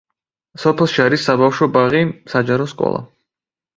სოფელში არის საბავშვო ბაღი, საჯარო სკოლა.